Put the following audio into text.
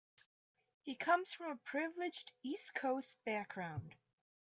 He comes from a privileged East Coast background.